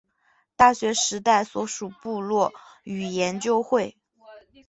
大学时代所属落语研究会。